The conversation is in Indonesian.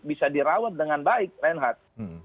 bisa dirawat dengan baik reinhardt